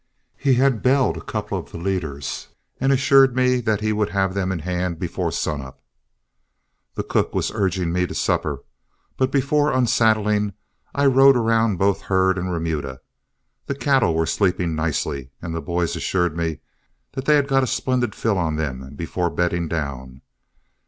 He had belled a couple of the leaders, and assured me that he would have them in hand before sun up. The cook was urging me to supper, but before unsaddling, I rode around both herd and remuda. The cattle were sleeping nicely, and the boys assured me that they had got a splendid fill on them before bedding down.